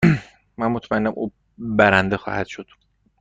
من مطمئنم که او برنده خواهد شد.